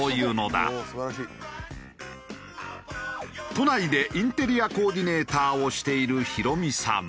都内でインテリアコーディネーターをしている広美さん。